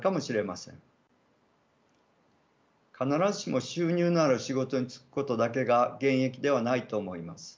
必ずしも収入のある仕事に就くことだけが現役ではないと思います。